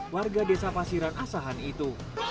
warga desa pasiran asahan itu